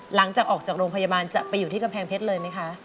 หลังจากออกจากโรงพยาบาลจะไปอยู่ที่กำแพงเพชรเลยไหมคะ